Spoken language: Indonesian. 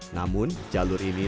namun jalur ini